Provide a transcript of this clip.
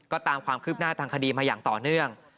ก็ตามความคืบหน้าทางคดีมาอย่างต่อเนื่อง